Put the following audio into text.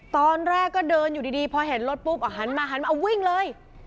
ตอนแรกเดินอยู่ดีพอเห็นรถซ่อนมาวิ่งเลย